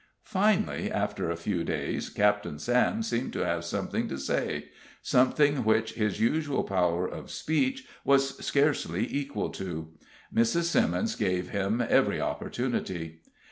Finally, after a few days, Captain Sam seemed to have something to say something which his usual power of speech was scarcely equal to. Mrs. Simmons gave him every opportunity.